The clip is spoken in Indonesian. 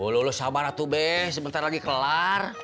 lu sabar atubes sebentar lagi kelar